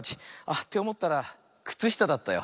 っておもったらくつしただったよ。